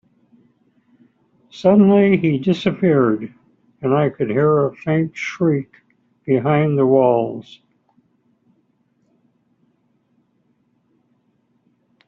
Suddenly, he disappeared, and I could hear a faint shriek behind the walls.